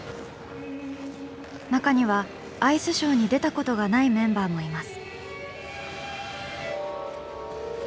中にはアイスショーに出たことがないメンバーもいます。